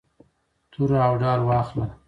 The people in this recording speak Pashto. توره او ډال واخله.